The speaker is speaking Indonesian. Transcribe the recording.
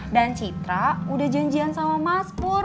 dan citra udah janjian sama mas pur